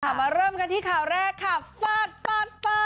มาเริ่มกันที่ข่าวแรกค่ะฟาดฟาดฟาด